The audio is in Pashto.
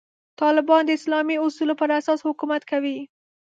طالبان د اسلامي اصولو پر اساس حکومت کوي.